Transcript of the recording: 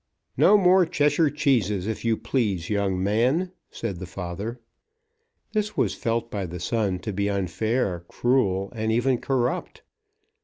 "No more Cheshire Cheeses, if you please, young man," said the father. This was felt by the son to be unfair, cruel, and even corrupt.